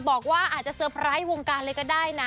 บอกว่าอาจจะเตอร์ไพรส์วงการเลยก็ได้นะ